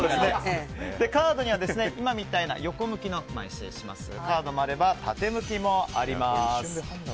カードには今みたいな横向きのカードもあれば縦向きもあります。